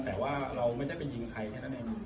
แต่ว่าเราไม่ได้ไปยิงใครแค่นั้นเอง